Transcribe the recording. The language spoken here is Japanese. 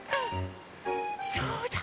そうだ！